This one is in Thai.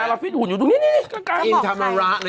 น้องอินทะเมอร์ระนะ